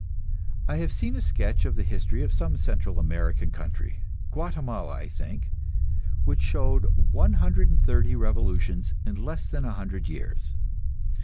I have seen a sketch of the history of some Central American country Guatemala, I think which showed 130 revolutions in less than a hundred years.